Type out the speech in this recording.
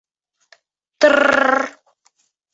— Тр-р-р!